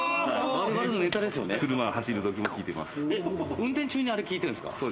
運転中にあれ聴いてるんですか。